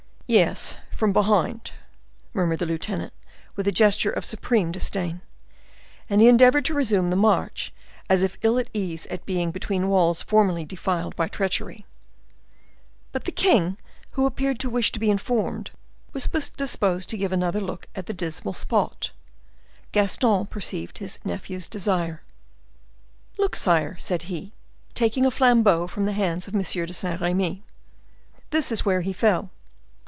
"Yes, from behind!" murmured the lieutenant, with a gesture of supreme disdain. And he endeavored to resume the march, as if ill at ease at being between walls formerly defiled by treachery. But the king, who appeared to wish to be informed, was disposed to give another look at this dismal spot. Gaston perceived his nephew's desire. "Look, sire," said he, taking a flambeaux from the hands of M. de Saint Remy, "this is where he fell.